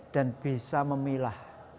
dan bisa memilah